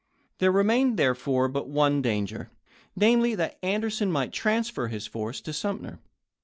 There remained, therefore, but one danger, — namely, that Anderson might transfer his force to Sumter.